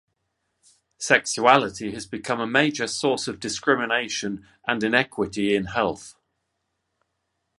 Sexuality has become a major source of discrimination and inequity in health.